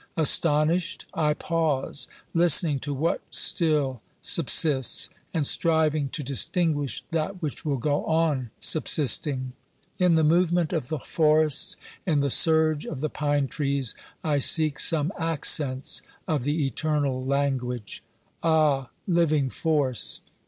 Astonished, I pause, listening to what still subsists, and striving to distinguish that which will go on subsisting. In the movement of the forests, in the surge of the pine trees, I seek some accents of the eternal language. Ah, Living Force